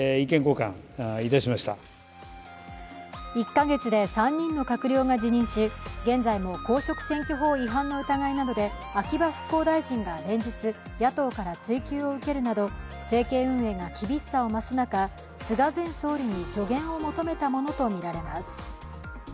１か月で３人の閣僚が辞任し、現在も公職選挙法違反の疑いなどで秋葉復興大臣が連日、野党から追及を受けるなど政権運営が厳しさを増す中菅前総理に助言を求めたものとみられます。